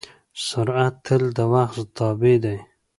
سرعت تل د وخت تابع دی.